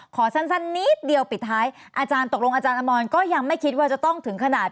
ขอสั้นนิดเดียวปิดท้ายอาจารย์ตกลงอาจารย์อมรก็ยังไม่คิดว่าจะต้องถึงขนาด